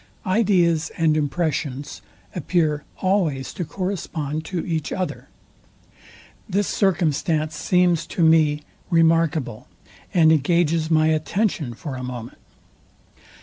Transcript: Ideas and impressions appear always to correspond to each other. This circumstance seems to me remarkable, and engages my attention for a moment.